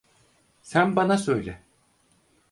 Sen bana söyle.